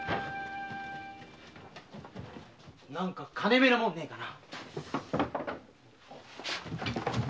なんか金目のもんねえかな？